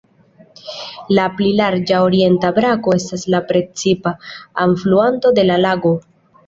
La pli larĝa orienta brako estas la precipa alfluanto de la lago.